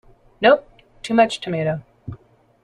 Nope! Too much tomato.